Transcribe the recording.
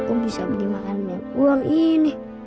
aku bisa beli makanan dengan uang ini